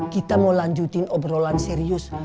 kita mau lanjutin obrolan serius